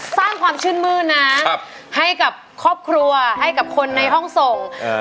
สร้างความชื่นมื้นนะครับให้กับครอบครัวให้กับคนในห้องส่ง